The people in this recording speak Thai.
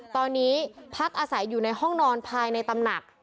ตอนนี้พักอาศัยอยู่ในห้องนอนภายในตำหนัก